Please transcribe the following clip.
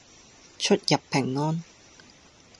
出入平安